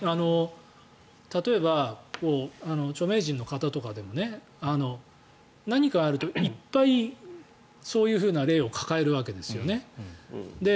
例えば著名人の方とかでも何かあるといっぱいそういうふうな例を抱えるわけですよね。